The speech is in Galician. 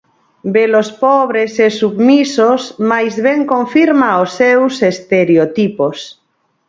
Velos pobres e submisos máis ben confirma os seus estereotipos.